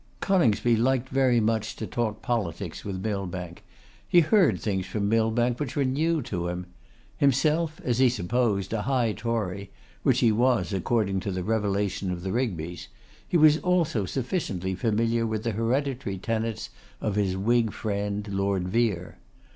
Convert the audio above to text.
Coningsby liked very much to talk politics with Millbank. He heard things from Millbank which were new to him. Himself, as he supposed, a high Tory, which he was according to the revelation of the Rigbys, he was also sufficiently familiar with the hereditary tenets of his Whig friend, Lord Vere.